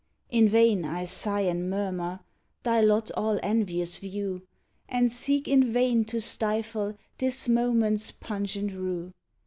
In vain I sigh and murmur, thy lot all envious view, And seek in vain to stifle this moment's pungent rue!